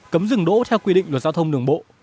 cấm dừng đỗ theo quy định luật giao thông đường bộ